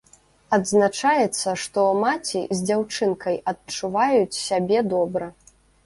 Адзначаецца, што маці з дзяўчынкай адчуваюць сябе добра.